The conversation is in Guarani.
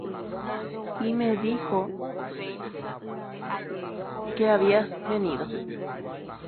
ha omombe'u chéve rejuhague